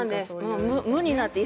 無になってね。